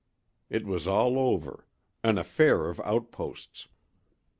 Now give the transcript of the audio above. It was all over—"an affair of outposts."